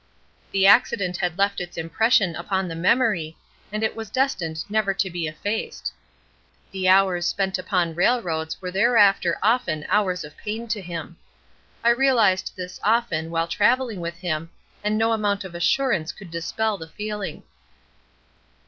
The accident had left its impression upon the memory, and it was destined never to be effaced. The hours spent upon railroads were thereafter often hours of pain to him. I realized this often while travelling with him, and no amount of assurance could dispel the feeling.